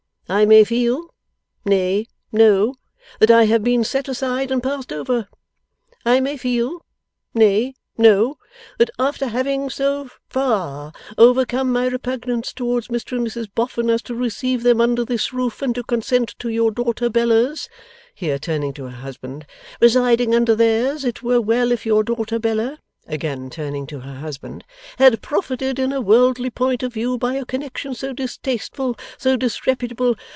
I may feel nay, know that I have been set aside and passed over. I may feel nay, know that after having so far overcome my repugnance towards Mr and Mrs Boffin as to receive them under this roof, and to consent to your daughter Bella's,' here turning to her husband, 'residing under theirs, it were well if your daughter Bella,' again turning to her husband, 'had profited in a worldly point of view by a connection so distasteful, so disreputable.